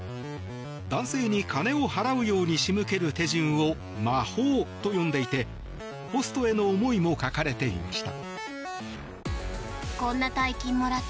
男性に金を払うように仕向ける手順を魔法と呼んでいてホストへの思いも書かれていました。